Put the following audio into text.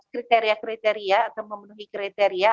kriteria kriteria atau memenuhi kriteria